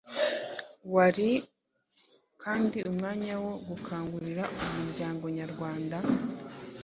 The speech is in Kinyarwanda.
Wari kandi umwanya wo gukangurira umuryango nyarwanda